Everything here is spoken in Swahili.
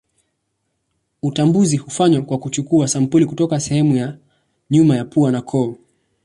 Utambuzi hufanywa kwa kuchukua sampuli kutoka kwa sehemu ya nyuma ya pua na koo.